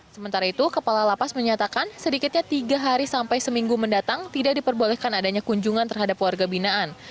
sementara itu kepala lapas menyatakan sedikitnya tiga hari sampai seminggu mendatang tidak diperbolehkan adanya kunjungan terhadap warga binaan